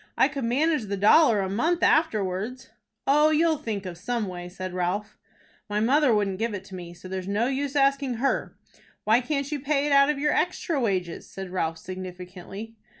"I could manage the dollar a month afterwards." "Oh, you'll think of some way," said Ralph. "My mother wouldn't give it to me, so there's no use asking her." "Why can't you pay it out of your extra wages?" said Ralph, significantly.